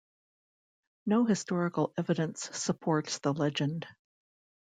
No historical evidence supports the legend.